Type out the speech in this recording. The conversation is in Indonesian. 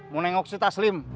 mau nengok si taslim